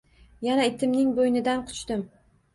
Yana itimning bo`ynidan quchdim